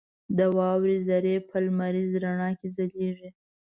• د واورې ذرې په لمریز رڼا کې ځلېږي.